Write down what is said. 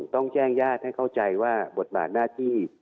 ต้องแจ้งญาติให้เข้าใจว่าบทบาทหน้าที่